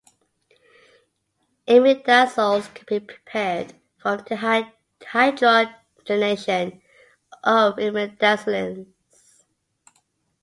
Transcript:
Imidazoles can be prepared from dehydrogenation of imidazolines.